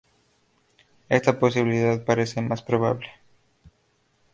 Esta posibilidad parece más probable.